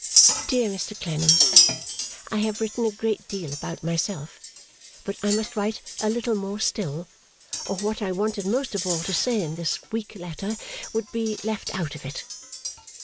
Dear Mr Clennam, I have written a great deal about myself, but I must write a little more still, or what I wanted most of all to say in this weak letter would be left out of it.